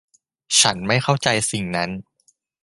ฉันไม่เข้าใจสิ่งนั้น